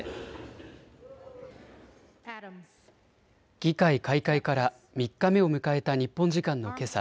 議会開会から３日目を迎えた日本時間のけさ